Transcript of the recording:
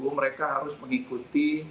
mereka harus mengikuti